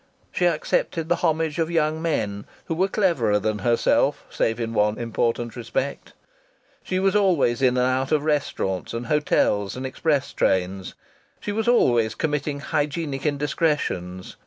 She accepted the homage of young men, who were cleverer than herself save in one important respect. She was always in and out of restaurants and hotels and express trains. She was always committing hygienic indiscretions.